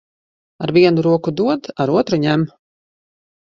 Ar vienu roku dod, ar otru ņem.